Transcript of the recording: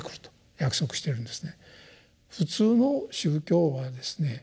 普通の宗教はですね